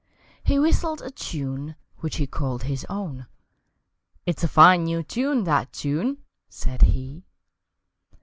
He whistled a tune which he called his own, "It's a fine new tune, that tune!" said he.